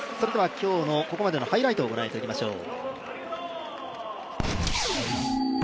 今日のここまでのハイライトをご覧いただきましょう。